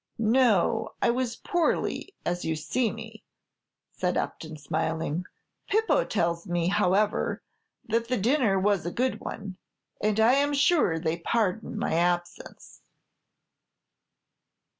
"No; I was poorly, as you see me," said Upton, smiling. "Pipo tells me, however, that the dinner was a good one, and I am sure they pardon my absence."